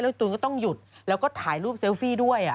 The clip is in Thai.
ตูนก็ต้องหยุดแล้วก็ถ่ายรูปเซลฟี่ด้วย